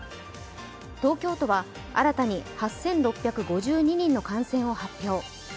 東京都は新たに８６５２人の感染を発表。